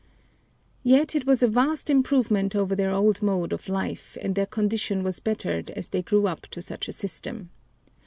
Yet it was a vast improvement over their old mode of life and their condition was bettered as they grew up to such a system.